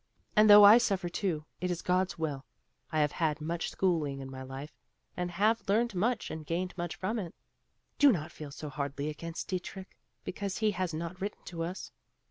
And though I suffer too, it is God's will; I have had much schooling in my life, and have learned much and gained much from it. Do not feel so hardly against Dietrich because he has not written to us.